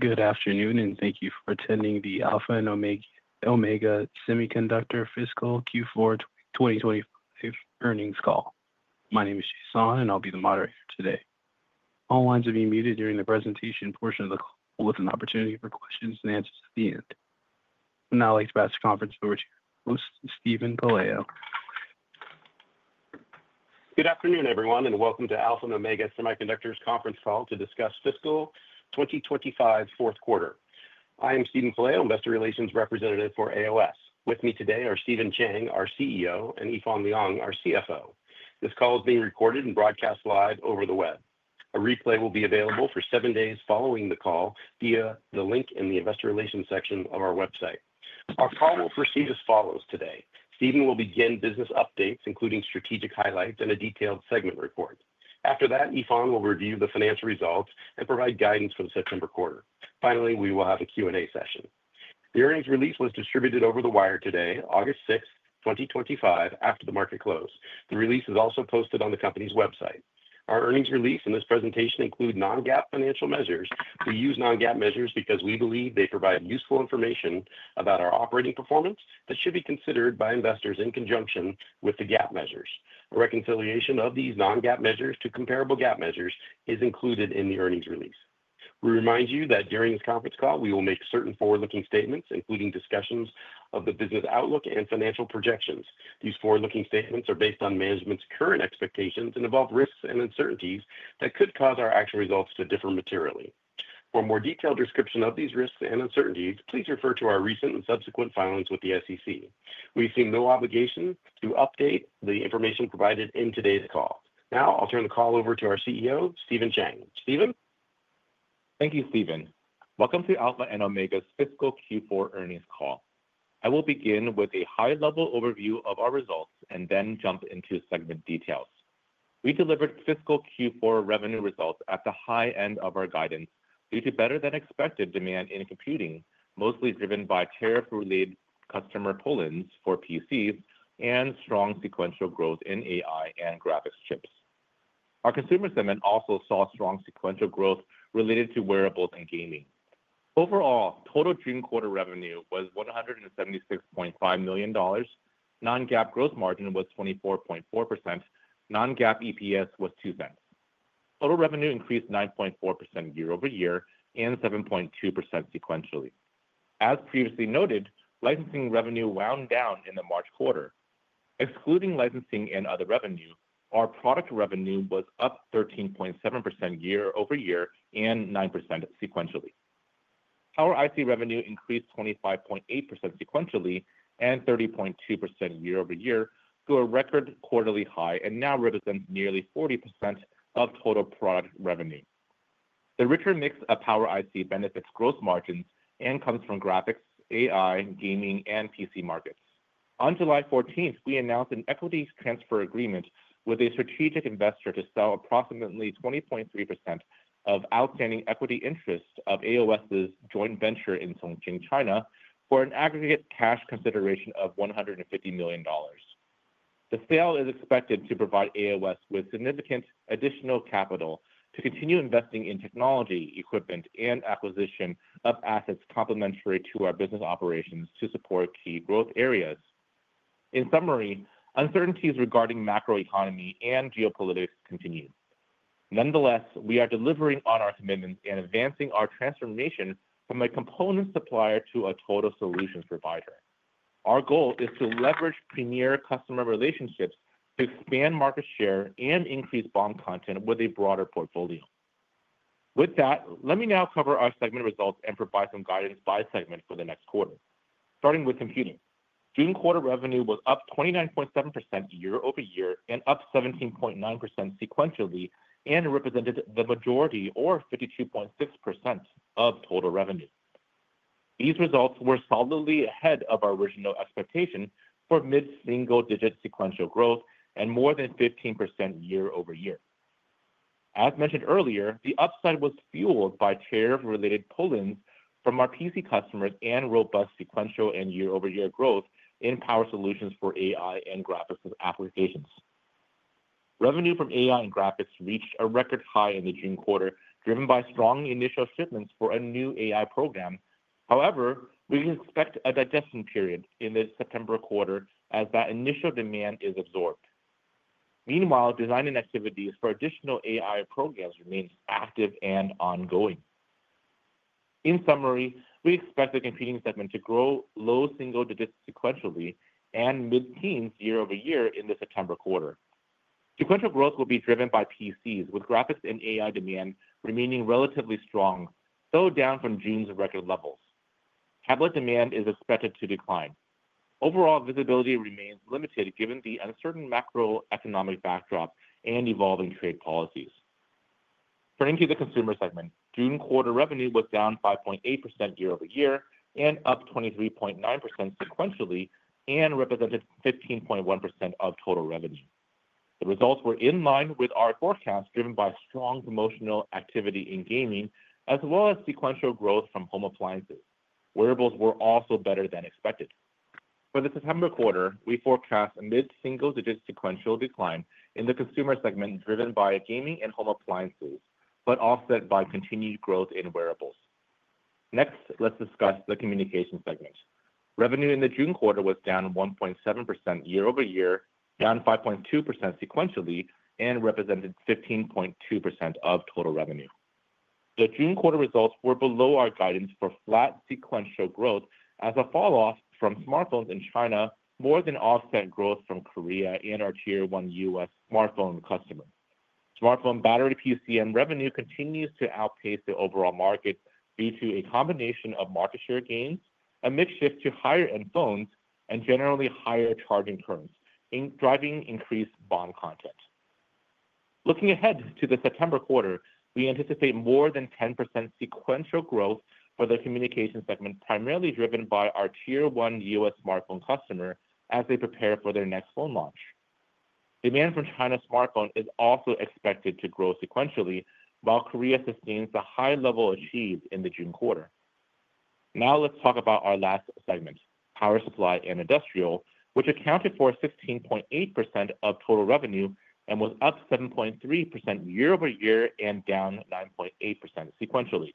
Good afternoon and thank you for attending the Alpha & Omega Semiconductor Fiscal Q4 2025 Earnings Call. My name is Jason, and I'll be the moderator today. All lines are being muted during the presentation portion of the call, with an opportunity for questions and answers at the end. I'd now like to pass the conference over to your host, Steven Pelayo. Good afternoon, everyone, and welcome to Alpha & Omega Semiconductor's conference call to discuss fiscal 2025 fourth quarter. I am Steven Pelayo, Investor Relations representative for AOS. With me today are Stephen Chang, our CEO, and Yifan Liang, our CFO. This call is being recorded and broadcast live over the web. A replay will be available for seven days following the call via the link in the Investor Relations section of our website. Our call will proceed as follows today. Steven will begin business updates, including strategic highlights and a detailed segment report. After that, Yifan will review the financial results and provide guidance for the September quarter. Finally, we will have a Q&A session. The earnings release was distributed over the wire today, August 6th, 2025, after the market close. The release is also posted on the company's website. Our earnings release and this presentation include non-GAAP financial measures. We use non-GAAP measures because we believe they provide useful information about our operating performance that should be considered by investors in conjunction with the GAAP measures. A reconciliation of these non-GAAP measures to comparable GAAP measures is included in the earnings release. We remind you that during this conference call, we will make certain forward-looking statements, including discussions of the business outlook and financial projections. These forward-looking statements are based on management's current expectations and involve risks and uncertainties that could cause our actual results to differ materially. For a more detailed description of these risks and uncertainties, please refer to our recent and subsequent filings with the SEC. We see no obligation to update the information provided in today's call. Now, I'll turn the call over to our CEO, Stephen Chang. Steven? Thank you, Steven. Welcome to Alpha and Omega Semiconductor's fiscal Q4 earnings call. I will begin with a high-level overview of our results and then jump into segment details. We delivered fiscal Q4 revenue results at the high end of our guidance due to better-than-expected demand in computing, mostly driven by tariff-related customer pull-ins for PCs and strong sequential growth in AI and graphics chips. Our consumer segment also saw strong sequential growth related to wearables and gaming. Overall, total June quarter revenue was $176.5 million. Non-GAAP gross margin was 24.4%. Non-GAAP EPS was $0.02. Total revenue increased 9.4% year-over-year and 7.2% sequentially. As previously noted, licensing revenue wound down in the March quarter. Excluding licensing and other revenue, our product revenue was up 13.7% year-over-year and 9% sequentially. Power IC revenue increased 25.8% sequentially and 30.2% year-over-year to a record quarterly high and now represents nearly 40% of total product revenue. The richer mix of Power IC benefits gross margins and comes from graphics, AI, gaming, and PC markets. On July 14th, we announced an equity transfer agreement with a strategic investor to sell approximately 20.3% of outstanding equity interests of AOSs joint venture in Chongqing, China, for an aggregate cash consideration of $150 million. The sale is expected to provide AOS with significant additional capital to continue investing in technology, equipment, and acquisition of assets complementary to our business operations to support key growth areas. In summary, uncertainties regarding macroeconomy and geopolitics continue. Nonetheless, we are delivering on our commitment and advancing our transformation from a component supplier to a total solution provider. Our goal is to leverage premier customer relationships to expand market share and increase bond content with a broader portfolio. With that, let me now cover our segment results and provide some guidance by segment for the next quarter. Starting with computing, June quarter revenue was up 29.7% year-over-year and up 17.9% sequentially and represented the majority, or 52.6% of total revenue. These results were solidly ahead of our original expectation for mid-single-digit sequential growth and more than 15% year-over-year. As mentioned earlier, the upside was fueled by tariff-related pull-ins from our PC customers and robust sequential and year-over-year growth in power solutions for AI and graphics applications. Revenue from AI and graphics reached a record high in the June quarter, driven by strong initial shipments for a new AI program. However, we expect a digestion period in the September quarter as that initial demand is absorbed. Meanwhile, design and activities for additional AI programs remain active and ongoing. In summary, we expect the computing segment to grow low single digits sequentially and mid-teens year-over-year in the September quarter. Sequential growth will be driven by PCs, with graphics and AI demand remaining relatively strong, though down from June's record levels. Tablet demand is expected to decline. Overall visibility remains limited given the uncertain macroeconomic backdrop and evolving trade policies. Turning to the consumer segment, June quarter revenue was down 5.8% year-over-year and up 23.9% sequentially and represented 15.1% of total revenue. The results were in line with our forecast, driven by strong promotional activity in gaming, as well as sequential growth from home appliances. Wearables were also better than expected. For the September quarter, we forecast a mid-single-digit sequential decline in the consumer segment, driven by gaming and home appliances, but offset by continued growth in wearables. Next, let's discuss the communication segment. Revenue in the June quarter was down 1.7% year-over-year, down 5.2% sequentially, and represented 15.2% of total revenue. The June quarter results were below our guidance for flat sequential growth as a fall off from smartphones in China, more than offset growth from Korea and our tier 1 U.S. smartphone customers. Smartphone battery PCM revenue continues to outpace the overall market due to a combination of market share gains, a mix shift to higher-end phones, and generally higher charging currents, driving increased bond content. Looking ahead to the September quarter, we anticipate more than 10% sequential growth for the communication segment, primarily driven by our tier 1 U.S. smartphone customer as they prepare for their next phone launch. Demand from China's smartphone is also expected to grow sequentially, while Korea sustains the high level achieved in the June quarter. Now let's talk about our last segment, power supply and industrial, which accounted for 16.8% of total revenue and was up 7.3% year-over-year and down 9.8% sequentially.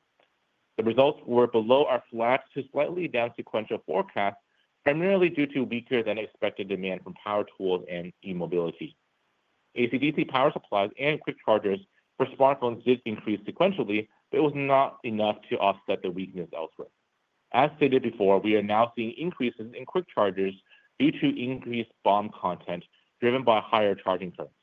The results were below our flat to slightly down sequential forecast, primarily due to weaker than expected demand from power tools and e-mobility. AC/DC power supplies and quick chargers for smartphones did increase sequentially, but it was not enough to offset the weakness elsewhere. As stated before, we are now seeing increases in quick chargers due to increased bond content, driven by higher charging currents.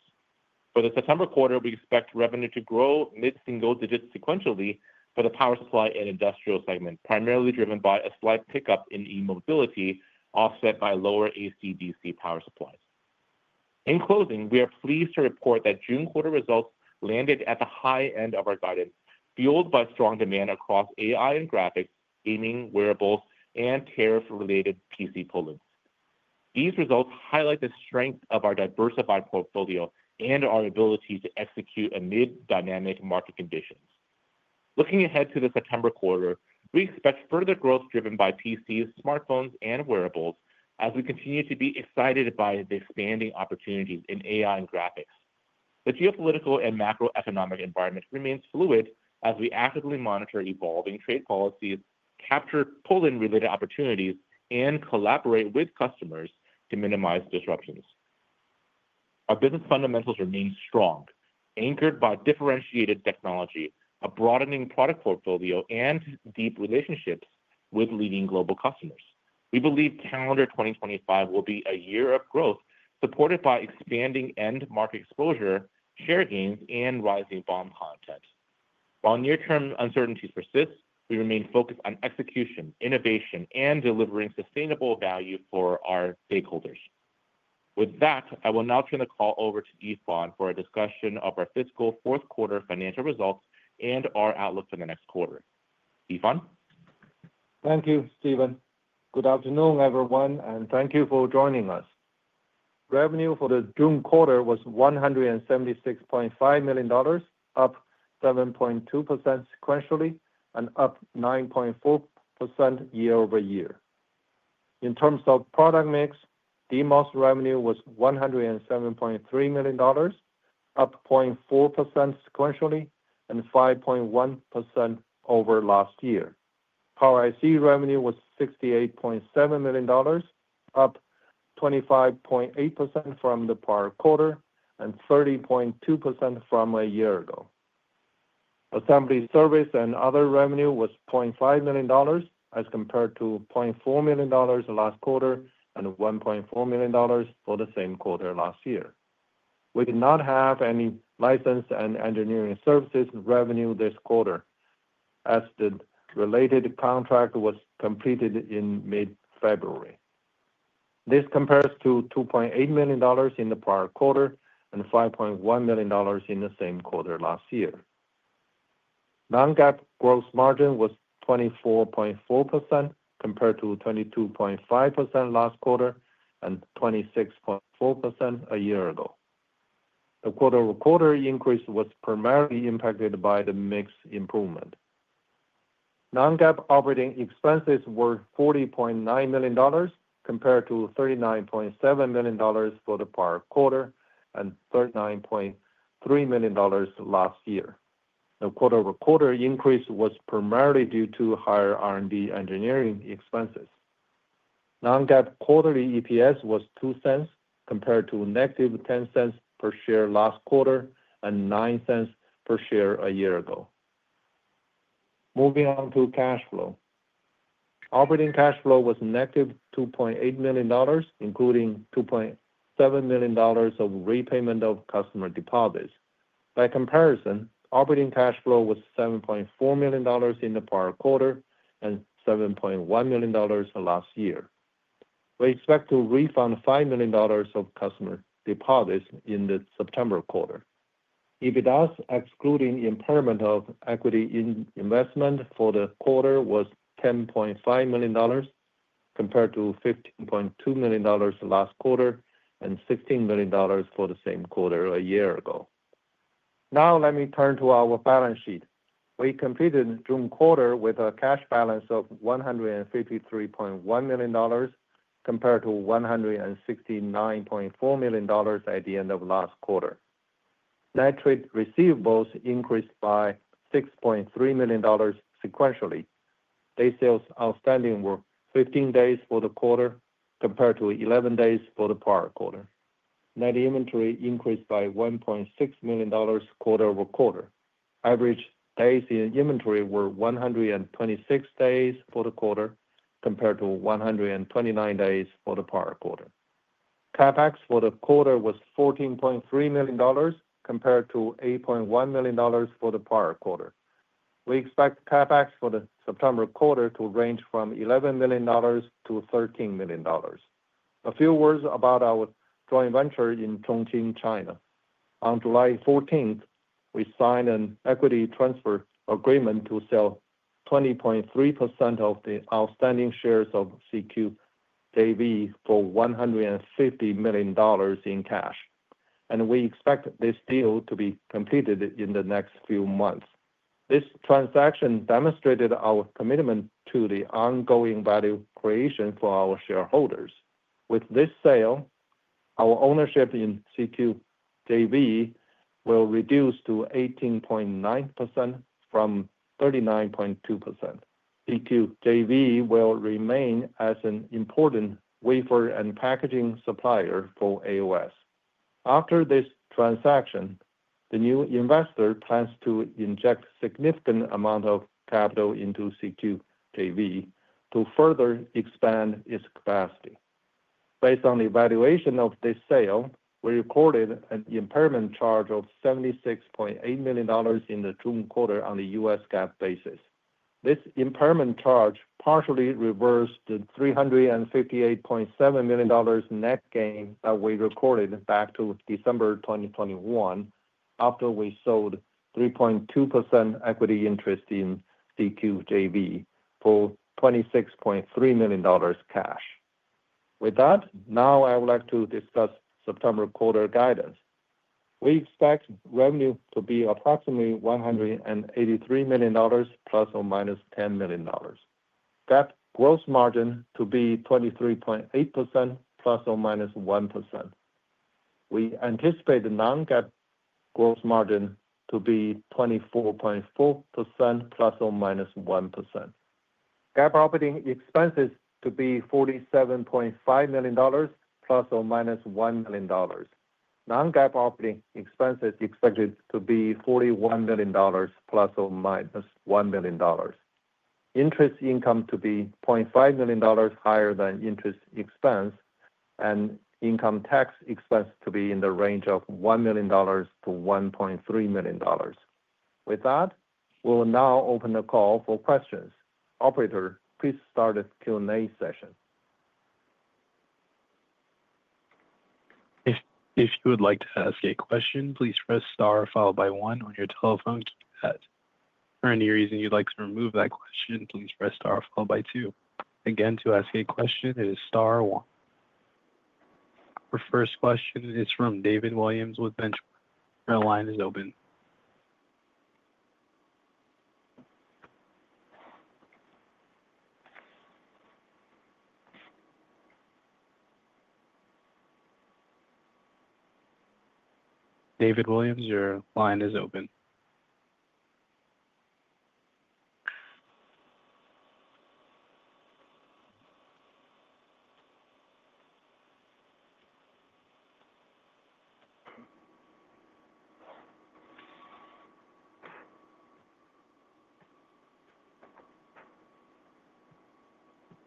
For the September quarter, we expect revenue to grow mid-single digits sequentially for the power supply and industrial segment, primarily driven by a slight pickup in e-mobility, offset by lower AC/DC power supplies. In closing, we are pleased to report that June quarter results landed at the high end of our guidance, fueled by strong demand across AI and graphics, gaming, wearables, and tariff-related PC pull-ins. These results highlight the strength of our diversified portfolio and our ability to execute amid dynamic market conditions. Looking ahead to the September quarter, we expect further growth driven by PCs, smartphones, and wearables as we continue to be excited by the expanding opportunities in AI and graphics. The geopolitical and macroeconomic environment remains fluid as we actively monitor evolving trade policies, capture pull-in related opportunities, and collaborate with customers to minimize disruptions. Our business fundamentals remain strong, anchored by differentiated technology, a broadening product portfolio, and deep relationships with leading global customers. We believe calendar 2025 will be a year of growth, supported by expanding end market exposure, share gains, and rising bond content. While near-term uncertainties persist, we remain focused on execution, innovation, and delivering sustainable value for our stakeholders. With that, I will now turn the call over to Yifan for a discussion of our fiscal fourth quarter financial results and our outlook for the next quarter. Yifan? Thank you, Steven. Good afternoon, everyone, and thank you for joining us. Revenue for the June quarter was $176.5 million, up 7.2% sequentially, and up 9.4% year-over-year. In terms of product mix, DMOS revenue was $107.3 million, up 0.4% sequentially, and 5.1% over last year. Power IC revenue was $68.7 million, up 25.8% from the prior quarter and 30.2% from a year ago. Assembly service and other revenue was $0.5 million as compared to $0.4 million last quarter and $1.4 million for the same quarter last year. We did not have any license and engineering services revenue this quarter as the related contract was completed in mid-February. This compares to $2.8 million in the prior quarter and $5.1 million in the same quarter last year. Non-GAAP gross margin was 24.4% compared to 22.5% last quarter and 26.4% a year ago. The quarter-over-quarter increase was primarily impacted by the mix improvement. Non-GAAP operating expenses were $40.9 million compared to $39.7 million for the prior quarter and $39.3 million last year. The quarter-over-quarter increase was primarily due to higher R&D engineering expenses. Non-GAAP quarterly EPS was $0.02 compared to negative $0.10 per share last quarter and $0.09 per share a year ago. Moving on to cash flow. Operating cash flow was negative $2.8 million, including $2.7 million of repayment of customer deposits. By comparison, operating cash flow was $7.4 million in the prior quarter and $7.1 million last year. We expect to refund $5 million of customer deposits in the September quarter. EBITDA excluding impairment of equity investment for the quarter was $10.5 million compared to $15.2 million last quarter and $16 million for the same quarter a year ago. Now let me turn to our balance sheet. We completed June quarter with a cash balance of $153.1 million compared to $169.4 million at the end of last quarter. Net trade receivables increased by $6.3 million sequentially. Day sales outstanding were 15 days for the quarter compared to 11 days for the prior quarter. Net inventory increased by $1.6 million quarter over quarter. Average days in inventory were 126 days for the quarter compared to 129 days for the prior quarter. CapEx for the quarter was $14.3 million compared to $8.1 million for the prior quarter. We expect CapEx for the September quarter to range from $11 million-$13 million. A few words about our joint venture in Chongqing, China. On July 14th, we signed an equity transfer agreement to sell 20.3% of the outstanding shares of CQ Davy for $150 million in cash, and we expect this deal to be completed in the next few months. This transaction demonstrated our commitment to the ongoing value creation for our shareholders. With this sale, our ownership in CQ Davy will reduce to 18.9% from 39.2%. CQ Davy will remain as an important wafer and packaging supplier for AOS. After this transaction, the new investor plans to inject a significant amount of capital into CQ Davy to further expand its capacity. Based on the evaluation of this sale, we recorded an impairment charge of $76.8 million in the June quarter on the U.S. GAAP basis. This impairment charge partially reversed the $358.7 million net gain that we recorded back to December 2021 after we sold 3.2% equity interest in CQ Davy for $26.3 million cash. With that, now I would like to discuss September quarter guidance. We expect revenue to be approximately $183 million ±$10 million. GAAP gross margin to be 23.8% plus or minus 1%. We anticipate the non-GAAP gross margin to be 24.4%± 1%. GAAP operating expenses to be $47.5 million ±$1 million. Non-GAAP operating expenses expected to be $41 million ±$1 million. Interest income to be $0.5 million higher than interest expense, and income tax expense to be in the range of $1 million to $1.3 million. With that, we will now open the call for questions. Operator, please start a Q&A session. If you would like to ask a question, please press star followed by one on your telephone to be asked. For any reason you'd like to remove that question, please press star followed by two. Again, to ask a question, it is star one. Our first question is from David Williams with The Benchmark. Your line is open. David Williams, your line is open.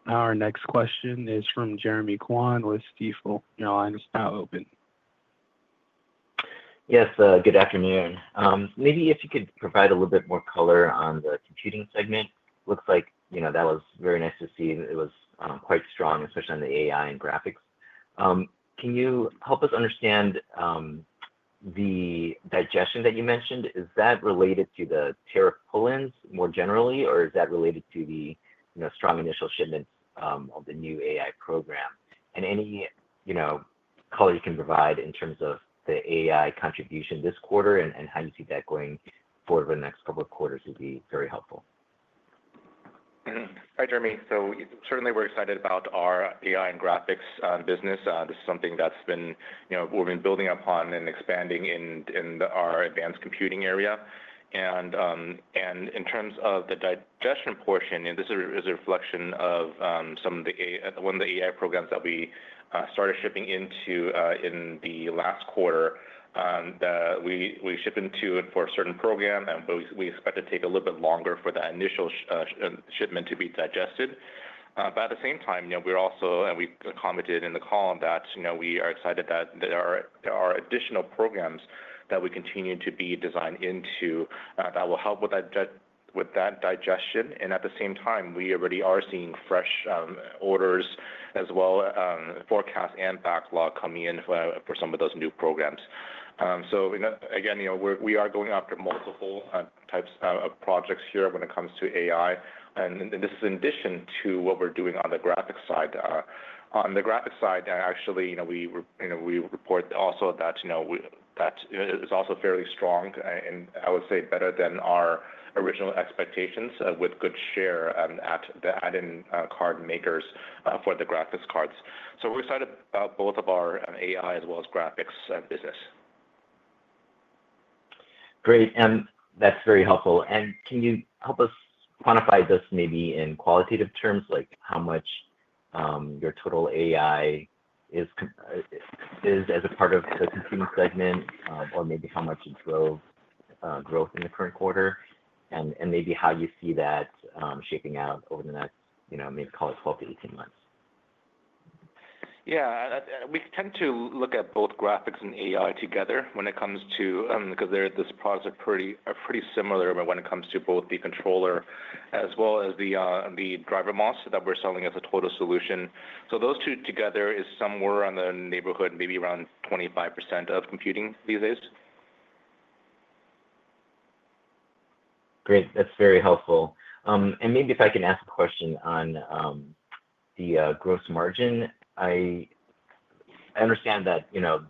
Our next question is from Jeremy Kwan with Stifel. Your line is now open. Yes, good afternoon. Maybe if you could provide a little bit more color on the computing segment. Looks like, you know, that was very nice to see. It was quite strong, especially on the AI and graphics. Can you help us understand the digestion that you mentioned? Is that related to the tariff pull-ins more generally, or is that related to the strong initial shipment of the new AI program? Any color you can provide in terms of the AI contribution this quarter and how you see that going forward over the next couple of quarters would be very helpful. Hi, Jeremy. Certainly we're excited about our AI and graphics business. This is something that's been, you know, we've been building upon and expanding in our advanced computing area. In terms of the digestion portion, this is a reflection of one of the AI programs that we started shipping into in the last quarter that we ship into for a certain program, but we expect to take a little bit longer for that initial shipment to be digested. At the same time, we commented in the call that we are excited that there are additional programs that we continue to be designed into that will help with that digestion. At the same time, we already are seeing fresh orders as well, forecasts and backlog coming in for some of those new programs. Again, we are going after multiple types of projects here when it comes to AI. This is in addition to what we're doing on the graphics side. On the graphics side, actually, we report also that is also fairly strong and I would say better than our original expectations with good share at the add-in card makers for the graphics cards. We're excited about both of our AI as well as graphics business. Great, that's very helpful. Can you help us quantify this maybe in qualitative terms, like how much your total AI is as a part of the consumer segment or maybe how much it drove growth in the current quarter? Maybe how you see that shaping out over the next, you know, maybe call it 12 months-18 months. Yeah, we tend to look at both graphics and AI together when it comes to, because this product is pretty similar when it comes to both the controller as well as the driver MOS that we're selling as a total solution. Those two together is somewhere in the neighborhood, maybe around 25% of computing these days. Great, that's very helpful. Maybe if I can ask a question on the gross margin, I understand that, you know,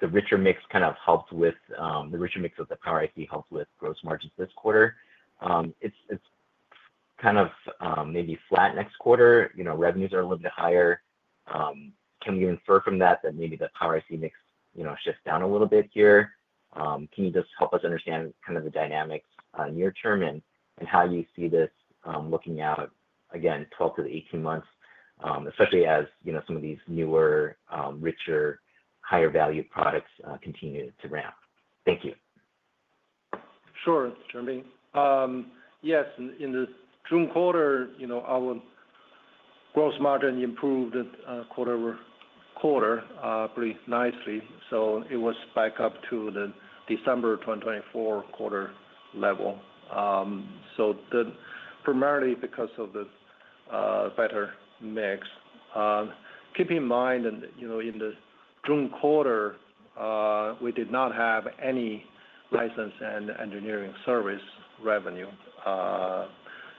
the richer mix kind of helped with the richer mix of the Power IC helped with gross margins this quarter. It's kind of maybe flat next quarter. You know, revenues are a little bit higher. Can you infer from that that maybe the Power IC mix shifts down a little bit here? Can you just help us understand kind of the dynamics near term and how you see this looking out again 12 months-18 months, especially as, you know, some of these newer, richer, higher value products continue to ramp? Thank you. Sure, Jeremy. Yes, in the June quarter, our gross margin improved quarter over quarter, I believe nicely. It was back up to the December 2024 quarter level, primarily because of the better mix. Keep in mind, in the June quarter, we did not have any license and engineering service revenue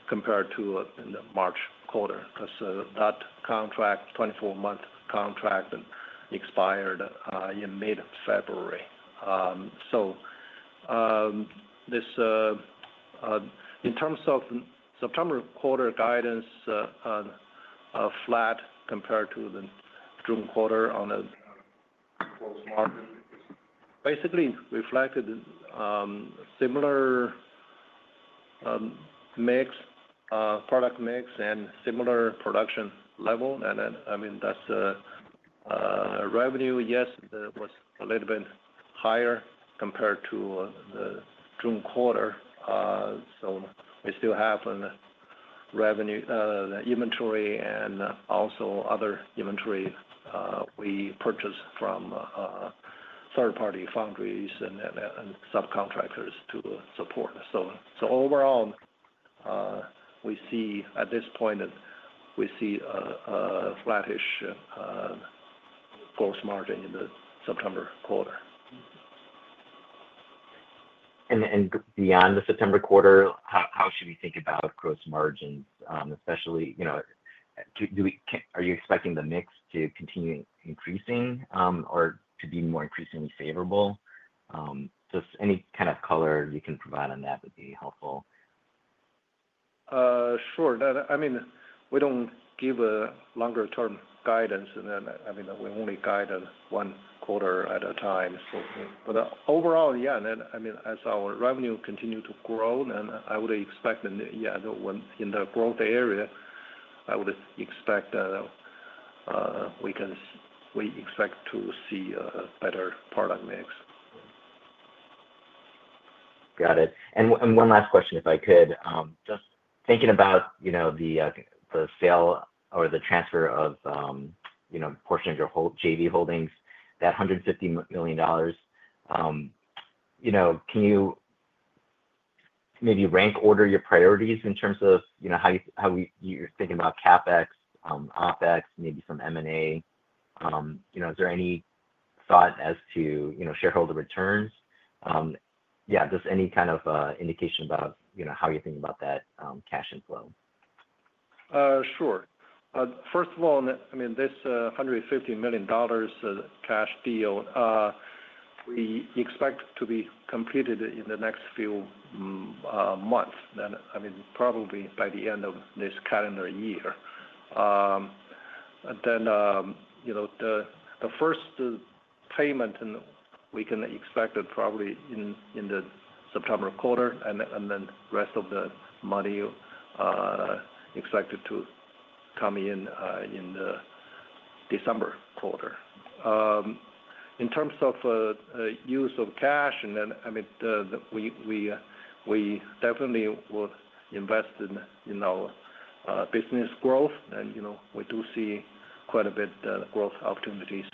compared to the March quarter because that 24-month contract expired in mid-February. In terms of the September quarter guidance, flat compared to the June quarter on the market basically reflected similar product mix and similar production level. That's revenue. Yes, it was a little bit higher compared to the June quarter. We still have revenue, inventory, and also other inventory we purchased from third-party foundries and subcontractors to support. Overall, we see at this point, we see a flattish gross margin in the September quarter. Beyond the September quarter, how should we think about gross margins? Especially, you know, are you expecting the mix to continue increasing or to be more increasingly favorable? Just any kind of color you can provide on that would be helpful. Sure. I mean, we don't give a longer-term guidance. I mean, we only guide one quarter at a time. Overall, as our revenue continues to grow, I would expect, in the growth area, I would expect that we can expect to see a better product mix. Got it. One last question, if I could, just thinking about the sale or the transfer of a portion of your JV holdings, that $150 million, can you maybe rank order your priorities in terms of how you're thinking about CapEx, OpEx, maybe some M&A? Is there any thought as to shareholder returns? Any kind of indication about how you're thinking about that cash inflow. Sure. First of all, this $150 million cash deal we expect to be completed in the next few months, probably by the end of this calendar year. The first payment we can expect probably in the September quarter, and the rest of the money expected to come in in the December quarter. In terms of the use of cash, we definitely will invest in our business growth. We do see quite a bit of growth opportunities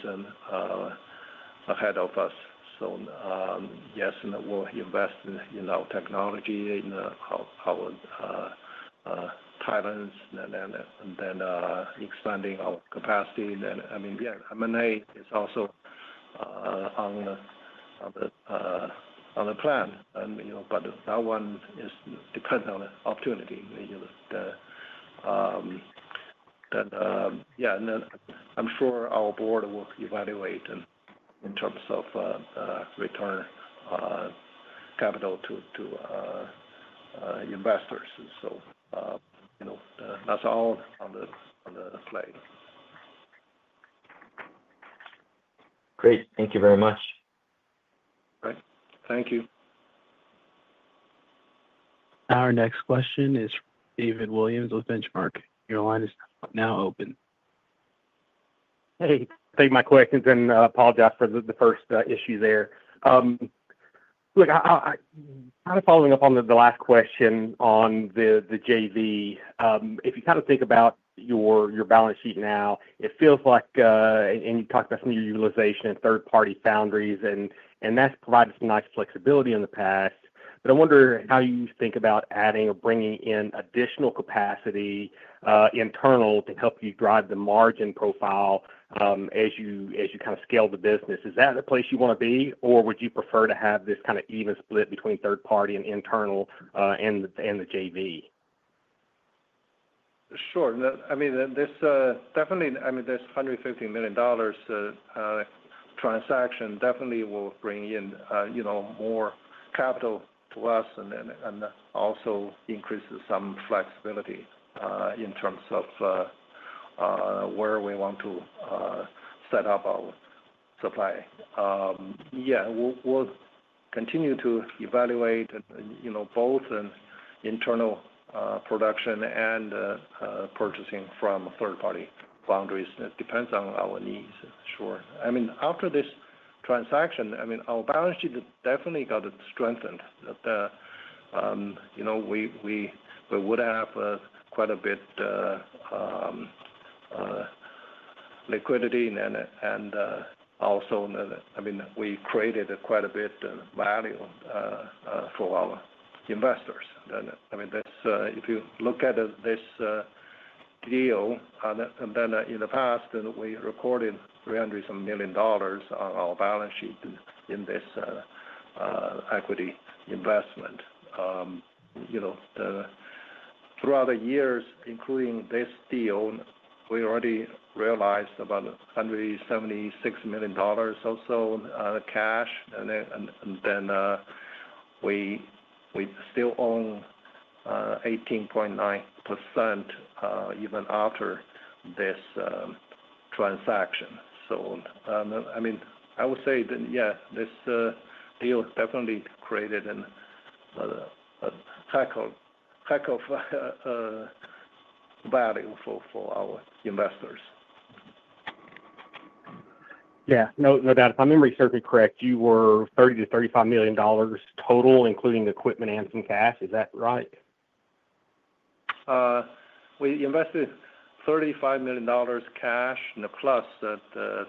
ahead of us. Yes, we'll invest in our technology, in our talents, and expanding our capacity. M&A is also on the plan, but that one depends on the opportunity. I'm sure our board will evaluate in terms of return on capital to investors. That's all on the plate. Great. Thank you very much. All right. Thank you. Our next question is David Williams with The Benchmark Company. Your line is now open. Thank you for my questions and apologize for the first issue there. I'm kind of following up on the last question on the JV. If you think about your balance sheet now, it feels like, and you talked about some of your utilization of third-party foundries, and that's provided some nice flexibility in the past. I wonder how you think about adding or bringing in additional capacity internal to help you drive the margin profile as you scale the business. Is that a place you want to be, or would you prefer to have this kind of even split between third-party and internal and the JV? Sure. This $150 million transaction definitely will bring in more capital to us and also increase some flexibility in terms of where we want to set up our supply. We'll continue to evaluate both internal production and purchasing from third-party foundries. It depends on our needs. After this transaction, our balance sheet definitely got strengthened. We would have quite a bit of liquidity and also we created quite a bit of value for our investors. If you look at this deal, in the past, we recorded $300 million on our balance sheet in this equity investment. Throughout the years, including this deal, we already realized about $176 million or so cash. We still own 18.9% even after this transaction. I would say that this deal definitely created a heck of value for our investors. Yeah, no doubt. If my memory serves me correct, you were $30 million to $35 million total, including equipment and some cash. Is that right? We invested $35 million cash plus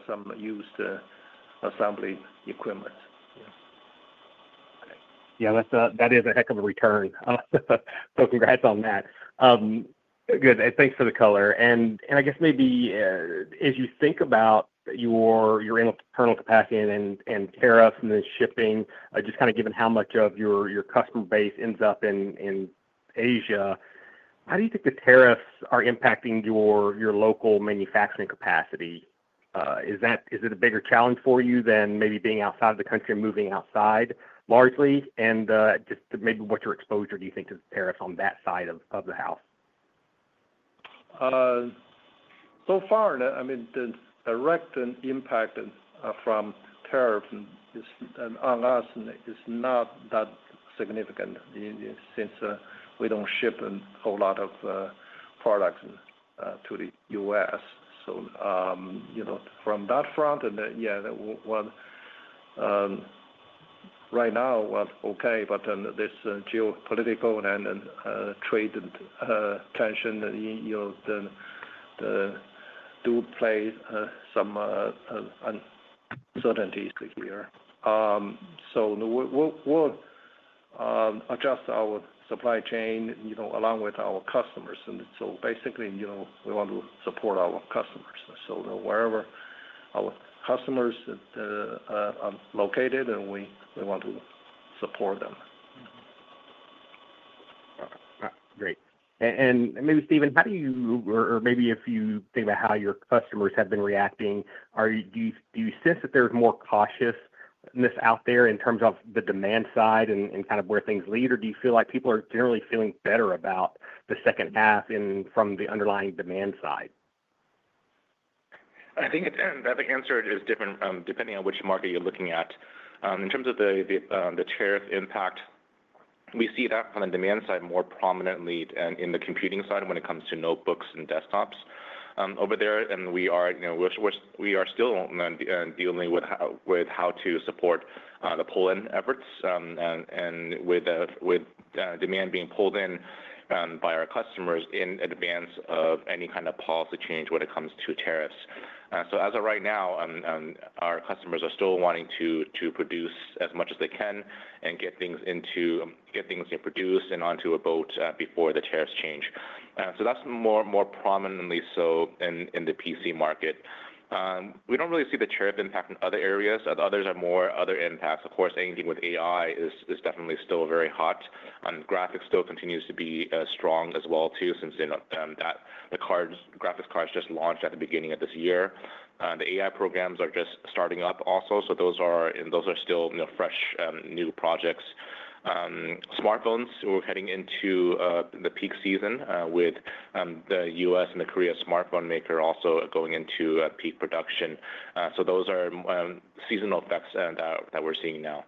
some used assembly equipment. Yeah, that is a heck of a return. Congrats on that. Thanks for the color. As you think about your internal capacity and tariffs and the shipping, given how much of your customer base ends up in Asia, how do you think the tariffs are impacting your local manufacturing capacity? Is it a bigger challenge for you than maybe being outside of the country and moving outside largely? What is your exposure, do you think, to the tariffs on that side of the house? The direct impact from tariffs on us is not that significant since we don't ship a whole lot of products to the U.S. From that front, right now, okay, this geopolitical and trade tension does play some uncertainties here. We'll adjust our supply chain along with our customers. Basically, we want to support our customers. Wherever our customers are located, we want to support them. Great. Maybe, Steven, how do you, or maybe if you think about how your customers have been reacting, do you sense that there's more cautiousness out there in terms of the demand side and kind of where things lead? Do you feel like people are generally feeling better about the second half from the underlying demand side? I think that the answer is different depending on which market you're looking at. In terms of the tariff impact, we see that on the demand side more prominently than in the computing side when it comes to notebooks and desktops over there. We are still dealing with how to support the pull-in efforts with demand being pulled in by our customers in advance of any kind of policy change when it comes to tariffs. As of right now, our customers are still wanting to produce as much as they can and get things produced and onto a boat before the tariffs change. That's more prominently so in the PC market. We don't really see the tariff impact in other areas. Others are more other impacts. Of course, anything with AI is definitely still very hot. Graphics still continues to be strong as well, too, since the graphics cards just launched at the beginning of this year. The AI programs are just starting up also. Those are still fresh new projects. Smartphones, we're heading into the peak season with the U.S. and the Korea smartphone maker also going into peak production. Those are seasonal effects that we're seeing now.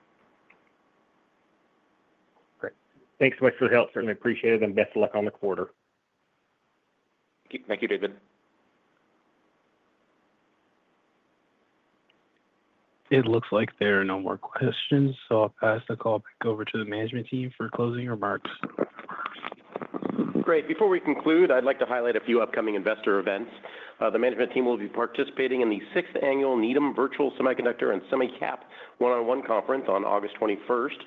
Thanks so much for the help. Certainly appreciate it. Best of luck on the quarter. Thank you, David. It looks like there are no more questions, so I'll pass the call back over to the management team for closing remarks. Great. Before we conclude, I'd like to highlight a few upcoming investor events. The management team will be participating in the sixth annual Needham Virtual Semiconductor and Semicap one-on-one conference on August 21st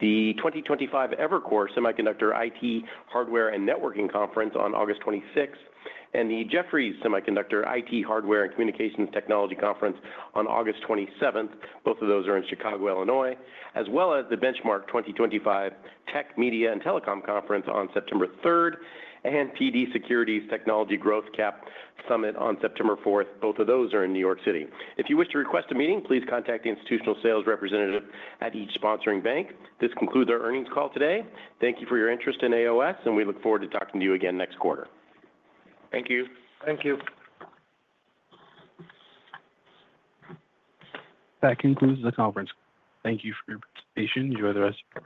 the 2025 Evercore Semiconductor IT Hardware and Networking Conference on August 26th, and the Jefferies Semiconductor IT Hardware and Communications Technology Conference on August 27th. Both of those are in Chicago, Illinois, as well as the Benchmark 2025 Tech, Media, and Telecom Conference on September 3, and PD Securities Technology Growth Cap Summit on September 4th. Both of those are in New York City. If you wish to request a meeting, please contact the institutional sales representative at each sponsoring bank. This concludes our earnings call today. Thank you for your interest in AOS, and we look forward to talking to you again next quarter. Thank you. Thank you. That concludes the conference. Thank you for your patience. Enjoy the rest of your day.